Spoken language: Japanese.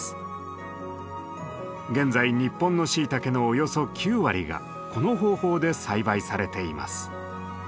現在日本のシイタケのおよそ９割がこの方法で栽培されています。